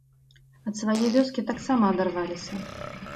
Ад свае вёскі таксама адарваліся.